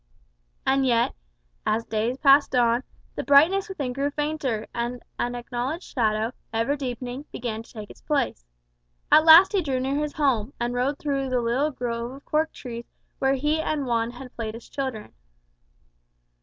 And yet, as days passed on, the brightness within grew fainter, and an acknowledged shadow, ever deepening, began to take its place. At last he drew near his home, and rode through the little grove of cork trees where he and Juan had played as children.